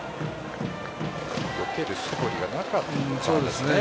よけるそぶりがなかったですね。